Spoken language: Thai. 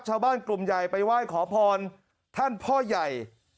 ชาวบ้านกลุ่มใหญ่ไปไหว้ขอพรท่านพ่อใหญ่